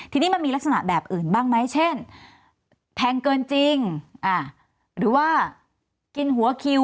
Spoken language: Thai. ทีนี้มันมีลักษณะแบบอื่นบ้างไหมเช่นแพงเกินจริงหรือว่ากินหัวคิว